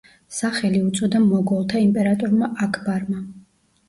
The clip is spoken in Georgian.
სახელი უწოდა მოგოლთა იმპერატორმა აქბარმა.